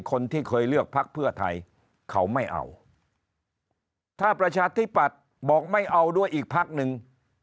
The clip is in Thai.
คนที่เคยเลือกพักเพื่อไทยเขาไม่เอาถ้าประชาธิปัตย์บอกไม่เอาด้วยอีกพักหนึ่ง